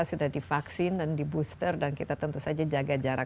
sudah divaksin dan di booster dan kita tentu saja jaga jarak